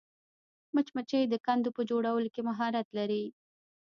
مچمچۍ د کندو په جوړولو کې مهارت لري